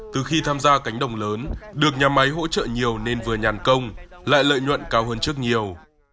từ khi tham gia cánh đồng lớn được nhà máy hỗ trợ nhiều nên vừa nhàn công lại lợi nhuận cao hơn trước nhiều